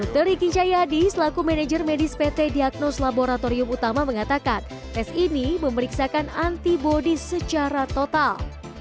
dokter riki cayadi selaku manajer medis pt diagnos laboratorium utama mengatakan tes ini memeriksakan antibody secara total